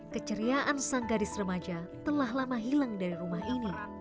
keceriaan sang gadis remaja telah lama hilang dari rumah ini